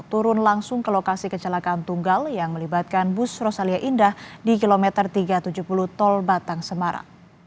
turun langsung ke lokasi kecelakaan tunggal yang melibatkan bus rosalia indah di kilometer tiga ratus tujuh puluh tol batang semarang